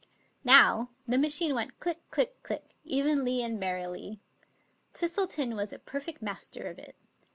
Now the machine went click, click, click, evenly and merrily. Twistleton was a per fect master of it.